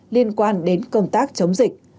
liên quan đến công tác chống dịch